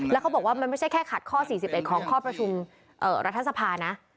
แล้วเขาบอกว่ามันไม่ใช่แค่ขัดข้อ๔๑ของข้อประชุมรัฐสภานะ